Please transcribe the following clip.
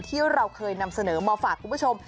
ที่เราเคยนำเสนอมาฝากคุณผู้ชม